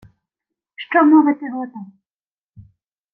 — Що мовити готам?